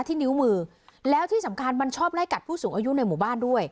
นิ้วมือแล้วที่สำคัญมันชอบไล่กัดผู้สูงอายุในหมู่บ้านด้วย